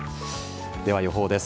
では、予報です。